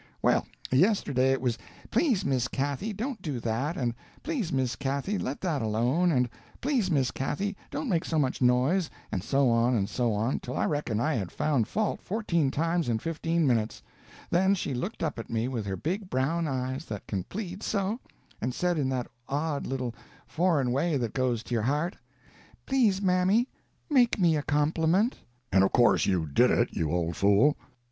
Well, yesterday it was 'Please, Miss Cathy, don't do that'; and, 'Please, Miss Cathy, let that alone'; and, 'Please, Miss Cathy, don't make so much noise'; and so on and so on, till I reckon I had found fault fourteen times in fifteen minutes; then she looked up at me with her big brown eyes that can plead so, and said in that odd little foreign way that goes to your heart, "'Please, mammy, make me a compliment." "And of course you did it, you old fool?"